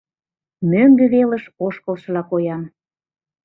Мӧҥгӧ велыш ошкылшыла коям.